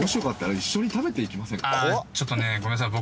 あぁちょっとねごめんなさい僕。